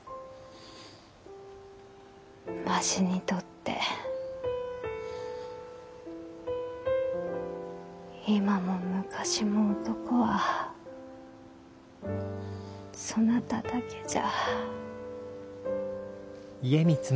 わしにとって今も昔も男はそなただけじゃ。